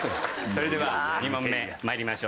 それでは２問目まいりましょう。